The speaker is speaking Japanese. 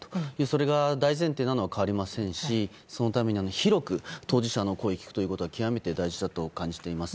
それが大前提なのは変わりませんしそのために広く当事者の声を聴くことは極めて大事だと感じています。